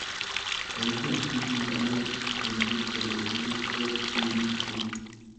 koibwat kimwei akot ngoinget kole nereksot sikikchin